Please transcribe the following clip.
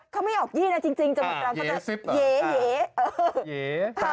เขาไม่ออกยี่นะจริงเดี๋ยวจะเยเยเย